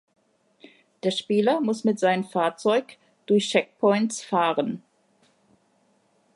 Der Spieler muss mit seinem Fahrzeug durch Checkpoints fahren.